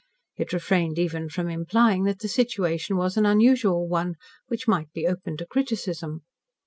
It refrained even from implying that the situation was an unusual one, which might be open to criticism.